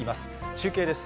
中継です。